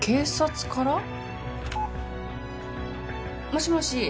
もしもし？